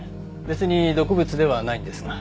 別に毒物ではないんですが。